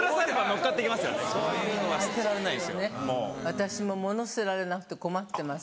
私も物捨てられなくて困ってます。